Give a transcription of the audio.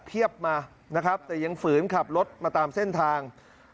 มานะครับแต่ยังฝืนขับรถมาตามเส้นทาง